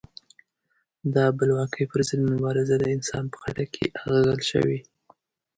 د بلواکۍ پر ضد مبارزه د انسان په خټه کې اغږل شوې.